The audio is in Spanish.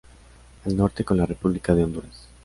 Al norte con la República de Honduras.